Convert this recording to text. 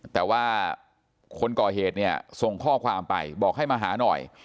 แต่ว่าคนก่อเหตุเนี่ยส่งข้อความไปบอกให้มาหาหน่อย